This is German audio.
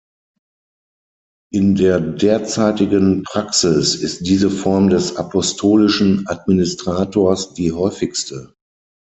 In der derzeitigen Praxis ist diese Form des Apostolischen Administrators die häufigste.